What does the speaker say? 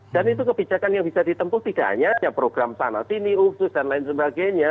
itu kebijakan yang bisa ditempuh tidak hanya program sana sini usus dan lain sebagainya